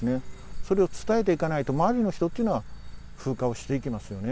それを伝えていかないと、周りの人っていうのは、風化をしていきますよね。